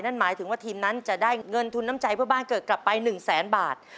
นั่นหมายถึงว่าทีมนั้นจะได้เงินทุนน้ำใจเพื่อบ้านเกิดกลับไป๑แสนบาท